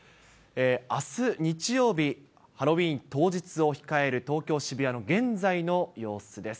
あす日曜日、ハロウィーン当日を控える東京・渋谷の現在の様子です。